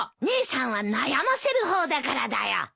姉さんは悩ませる方だからだよ。